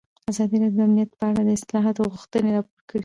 ازادي راډیو د امنیت په اړه د اصلاحاتو غوښتنې راپور کړې.